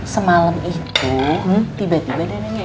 semalam itu tiba tiba dia nanya